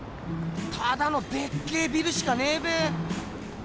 ただのでっけえビルしかねえべ。